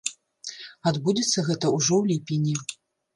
Адбудзецца гэта ўжо ў ліпені.